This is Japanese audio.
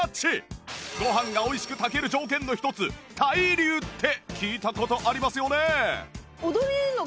ご飯が美味しく炊ける条件の一つ対流って聞いた事ありますよね？